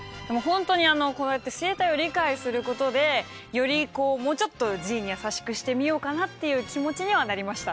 こうやって生態を理解することでよりこうもうちょっとＧに優しくしてみようかなっていう気持ちにはなりましたね。